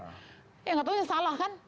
ya nggak tau salah kan